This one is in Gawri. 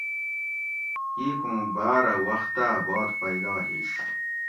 کِیک اُوں باۤرہ وختاۤ باد پیدا ہِیش